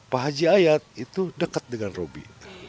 pak haji ayat itu dekat dengan robi